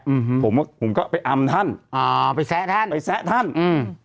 อืมผมก็ผมก็ไปอำท่านอ่าไปแซะท่านไปแซะท่านอืม